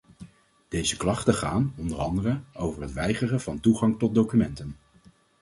Deze klachten gaan, onder andere, over het weigeren van toegang tot documenten.